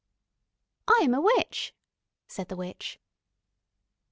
"I am a Witch," said the witch.